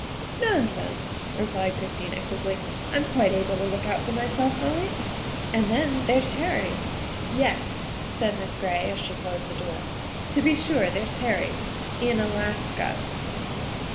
" Nonsense," replied Christine equably, "I'm quite able to look out for myself, Molly. And then, there's Harry." 86 THE WIFE OF " Yes," said Miss Gray as she closed the door, " to be sure, there's Harry in Alaska."